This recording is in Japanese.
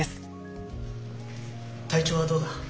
体調はどうだ？